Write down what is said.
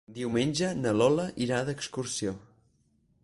Diumenge na Lola irà d'excursió.